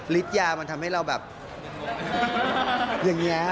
ยามันทำให้เราแบบอย่างนี้